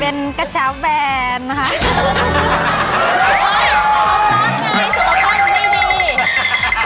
เป็นกระเช้าแบรนด์ปะครับ